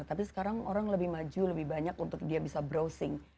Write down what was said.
tapi sekarang orang lebih maju lebih banyak untuk dia bisa browsing